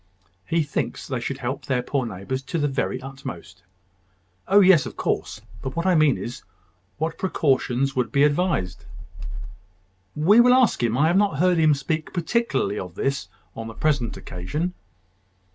"He thinks they should help their poor neighbours to the very utmost." "Oh, yes; of course: but what I mean is, what precautions would be advise?" "We will ask him. I have not heard him speak particularly of this on the present occasion."